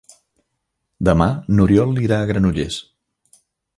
Demà n'Oriol irà a Granollers.